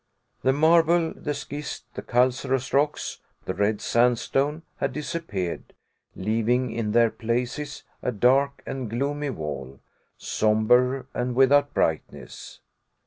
The marble, the schist, the calcareous rocks, the red sandstone, had disappeared, leaving in their places a dark and gloomy wall, somber and without brightness.